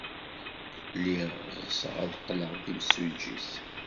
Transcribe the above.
Lliɣ ɣseɣ ad qqleɣ d timsujjit.